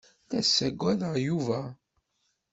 La tessaggaded Yuba.